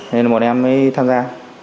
nên một em mới tham gia